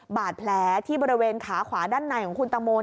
บาดแผลที่บริเวณขาขวาด้านในของคุณตังโม